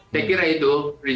saya kira itu